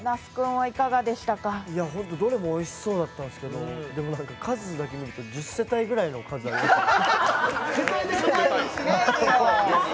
どれもおいしそうだったんですけど、でも、数だけ見ると、１０世帯ぐらいの数ありましたね。